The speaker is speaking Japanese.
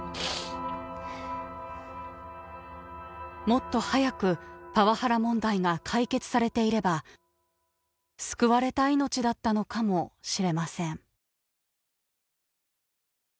もっと早くパワハラ問題が解決されていれば救われた命だったのかもしれません。